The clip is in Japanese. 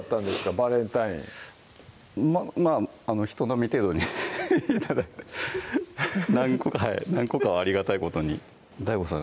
バレンタインまぁまぁ人並み程度に頂いて何個か何個かはありがたいことにＤＡＩＧＯさん